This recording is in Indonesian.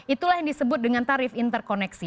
itulah yang disebut dengan tarif interkoneksi